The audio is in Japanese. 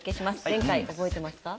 前回覚えてますか？